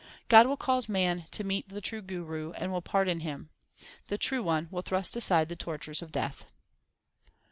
God will cause man to meet the true Guru, and will pardon him. The True One will thrust aside the tortures of Death.